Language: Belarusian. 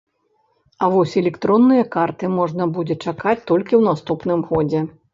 А вось электронныя карты можна будзе чакаць толькі ў наступным годзе.